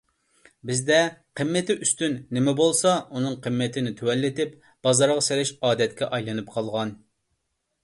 بىزدە قىممىتى ئۈستۈن نېمە بولسا ئۇنىڭ قىممىتىنى تۆۋەنلىتىپ بازارغا سېلىش ئادەتكە ئايلىنىپ قالغان.